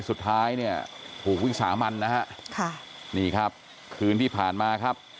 สุดท้ายเนี่ยถูกวิสามันนะฮะค่ะนี่ครับคืนที่ผ่านมาครับ